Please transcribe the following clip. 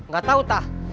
gak tau tah